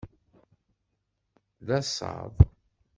D asaḍ.